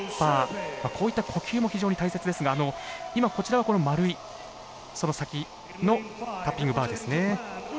こういった呼吸も非常に大切ですが今こちらは丸い先のタッピングバーですね。